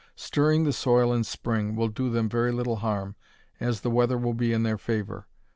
Stirring the soil in spring will do them very little harm, as the weather will be in their favor.